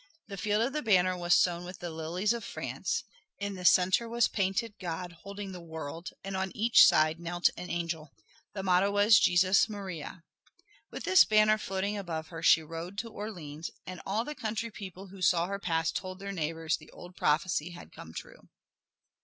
The field of the banner was sown with the lilies of France, in the centre was painted God holding the world and on each side knelt an angel. The motto was "Jesus Maria." With this banner floating above her she rode to Orleans, and all the country people who saw her pass told their neighbors the old prophecy had come true.